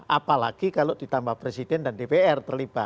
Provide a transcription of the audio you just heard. apalagi kalau ditambah presiden dan dpr terlibat